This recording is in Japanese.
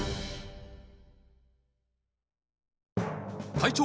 隊長！